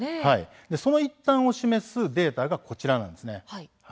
その一端を示すデータがこちらです。